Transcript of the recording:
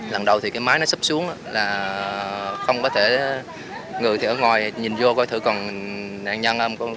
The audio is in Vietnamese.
lần đầu thì cái mái nó sắp xuống là không có thể ngừ thì ở ngoài nhìn vô coi thử còn nạn nhân không